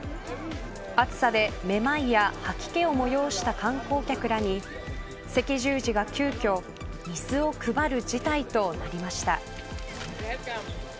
暑さで目まいや吐き気を催した観光客らに赤十字が急きょ水を配る事態となりました。